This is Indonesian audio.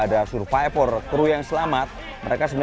masih pening bestimmt gaya orang